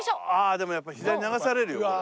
でもやっぱ左に流されるよこれ。